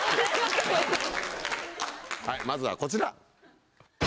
まずはこちら。